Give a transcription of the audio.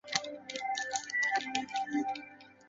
诈骗集团